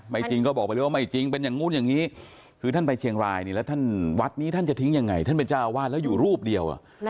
ไม่จริงจะบอกไม่ละก็เป็นอย่างนู้นอย่างนี้